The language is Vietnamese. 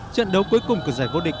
trận đấu cuối cùng của giải vô địch